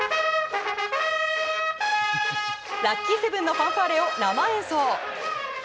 ラッキー７のファンファーレを生演奏。